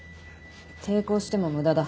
抵抗しても無駄だ。